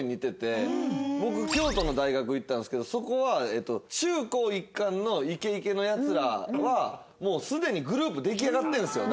僕京都の大学行ったんですけどそこは中高一貫のイケイケのヤツらはもうすでにグループ出来上がってるんですよ。